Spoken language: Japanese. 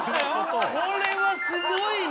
これはすごいな！